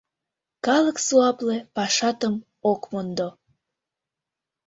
— Калык суапле пашатым ок мондо.